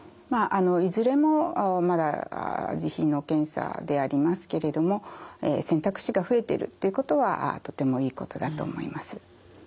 いずれもまだ自費の検査でありますけれども選択肢が増えてるっていうことはとてもいいことだと思います。